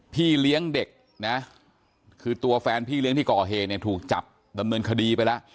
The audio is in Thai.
พี่เลี้ยงเด็กนะคือตัวแฟนพี่เลี้ยงที่ก่อเหตุเนี่ยถูกจับดำเนินคดีไปแล้ว